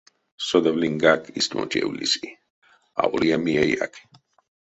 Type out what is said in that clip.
Содавлиньгак, истямо тев лиси, аволия миеяк.